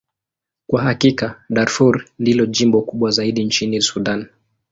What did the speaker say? Kwa hakika, Darfur ndilo jimbo kubwa zaidi nchini Sudan.